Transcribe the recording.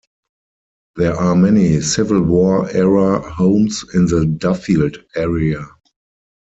There are many Civil War-era homes in the Duffield area.